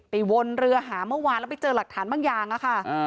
วนเรือหาเมื่อวานแล้วไปเจอหลักฐานบางอย่างอะค่ะ